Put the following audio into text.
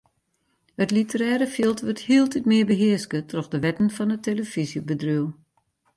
It literêre fjild wurdt hieltyd mear behearske troch de wetten fan it telefyzjebedriuw.